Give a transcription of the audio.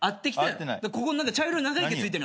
ここに茶色い長い毛付いてる。